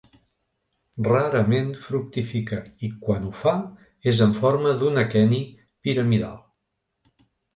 Rarament fructifica i quan ho fa és en forma d'un aqueni piramidal.